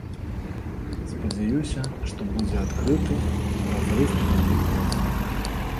Спадзяюся, што будзе адкрыты, празрысты падлік галасоў.